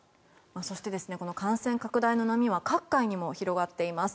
そして、感染拡大の波は各界にも広がっています。